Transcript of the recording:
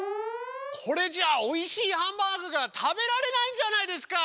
これじゃあおいしいハンバーグが食べられないじゃないですか！